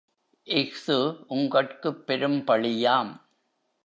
இஃது உங்கட்குப் பெரும்பழியாம்.